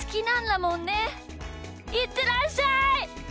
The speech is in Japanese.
いってらっしゃい！